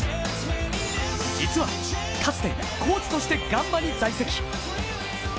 実は、かつてコーチとしてガンバに在籍。